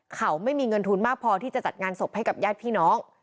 เขาไม่มีเงินทุนมากพอที่จะจัดงานศพให้กับญาติพี่น้อง